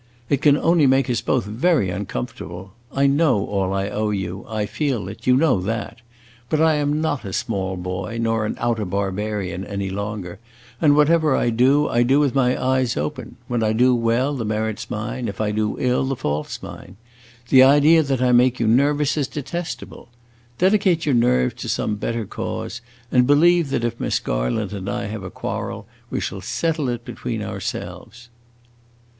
It can only make us both very uncomfortable. I know all I owe you; I feel it; you know that! But I am not a small boy nor an outer barbarian any longer, and, whatever I do, I do with my eyes open. When I do well, the merit 's mine; if I do ill, the fault 's mine! The idea that I make you nervous is detestable. Dedicate your nerves to some better cause, and believe that if Miss Garland and I have a quarrel, we shall settle it between ourselves."